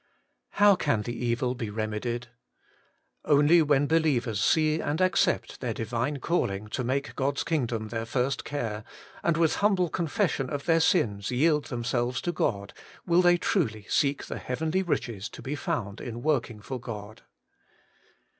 2. How can the evil be remedied? Only when believers see and accept their Divine calling to make God's kingdom their first care, and with humble confession of their sins yield themselves to God, will they truly seek the heavenly riches to be found in working for God.